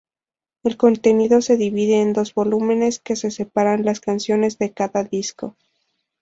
El contenido se divide en dos volúmenes que separan las canciones de cada disco.